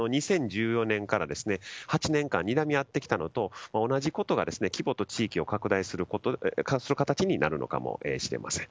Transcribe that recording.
２０１４年から８年間にらみ合ってきたことと同じことが規模と地域を拡大させることになるかもしれません。